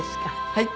はい。